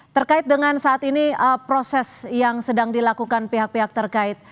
terkait dengan saat ini proses yang sedang dilakukan pihak pihak terkait